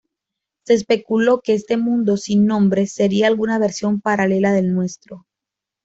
Se especuló que este mundo sin nombre sería alguna versión paralela del nuestro.